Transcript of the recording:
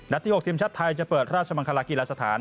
นัดที่๖ทีมชัดไทยจะเปิดราชบังคลากีลสถาน